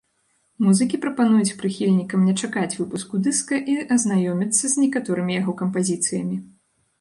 Музыкі прапануюць прыхільнікам не чакаць выпуску дыска і азнаёміцца з некаторымі яго кампазіцыямі.